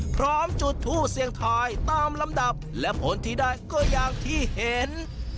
พร้อมจุดทูปเสียงทายตามลำดับและผลที่ได้ก็อย่างที่เห็น